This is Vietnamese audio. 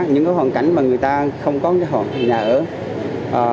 những hoàn cảnh mà người ta không có hộ nhà ở